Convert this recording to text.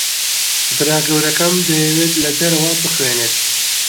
برا گەورەکەم دەیەوێت لە دەرەوە بخوێنێت.